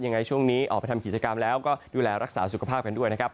ยังไงช่วงนี้ออกไปทำกิจกรรมแล้วก็ดูแลรักษาสุขภาพกันด้วยนะครับ